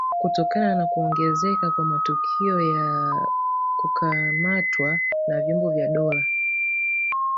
Kutokana na kuongezeka kwa matukio ya kukamatwa na vyombo vya dola